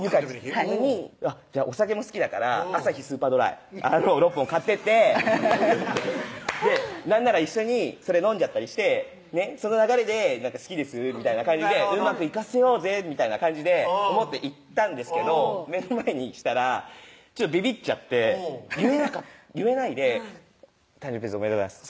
はいお酒も好きだから「アサヒスーパードライ」６本買ってってなんなら一緒にそれ飲んじゃったりしてその流れで「好きです」みたいな感じでうまくいかせようぜみたいな感じで思って行ったんですけど目の前にしたらびびっちゃって言えないで「誕生日おめでとうございます」